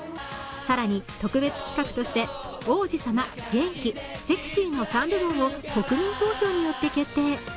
更に特別企画として、王子様、元気、セクシーの３部門を国民投票によって決定。